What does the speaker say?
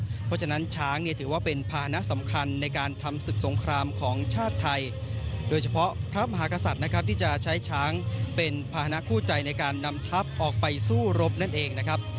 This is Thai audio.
เพราะฉะนั้นช้างเนี่ยถือว่าเป็นภานะสำคัญในการทำศึกสงครามของชาติไทยโดยเฉพาะพระมหากษัตริย์นะครับที่จะใช้ช้างเป็นภาษณะคู่ใจในการนำทัพออกไปสู้รบนั่นเองนะครับ